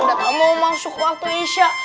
udah tak mau masuk waktu isya